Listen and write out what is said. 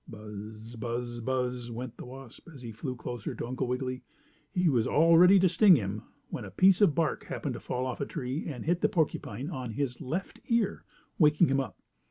"Buzz! Buzz! Buzz!" went the wasp, as he flew closer to Uncle Wiggily. He was all ready to sting him, when a piece of bark happened to fall off a tree and hit the porcupine on his left ear, waking him up.